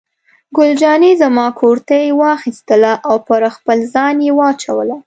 ګل جانې زما کورتۍ واخیستله او پر خپل ځان یې واچوله.